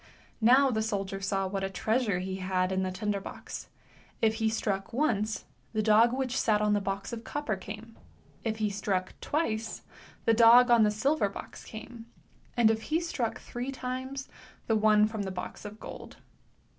Now the soldier saw what a treasure he had in the tinder box. If he struck once, the dog which sat on the box of copper came; if he struck twice, the dog on the silver box came, and if he struck three times, the one from the box of gold.